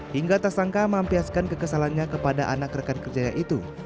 hingga tersangka mampiaskan kekesalannya kepada anak rekan kerjanya itu